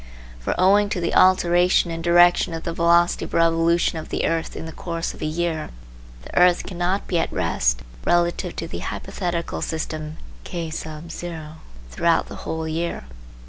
For owing to the alteration in direction of the velocity of revolution of the earth in the course of a year, the earth cannot be at rest relative to the hypothetical system K throughout the whole year.